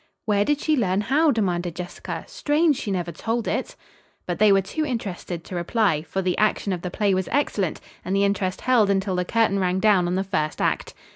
"Where did she learn how?" demanded Jessica. "Strange she never told it." But they were too interested to reply, for the action of the play was excellent and the interest held until the curtain rang down on the first act.